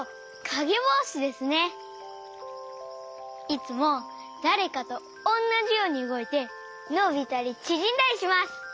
いつもだれかとおんなじようにうごいてのびたりちぢんだりします！